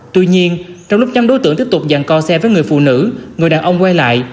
tuy nhiên trong lúc nhắm đối tượng tiếp tục dàn co xe với người phụ nữ người đàn ông quay lại